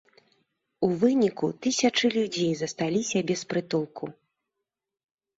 У выніку тысячы людзей засталіся без прытулку.